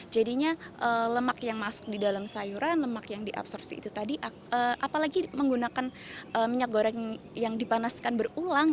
jadinya lemak yang masuk di dalam sayuran lemak yang diabsorpsi itu tadi apalagi menggunakan minyak goreng yang dipanaskan berulang